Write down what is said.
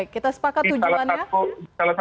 kita sepakat tujuannya